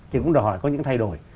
thì cũng đòi hỏi có những thay đổi